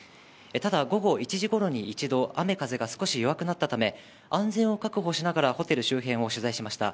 ただ、午後１時ごろに一度、雨風が少し弱くなったため、安全を確保しながらホテル周辺を取材しました。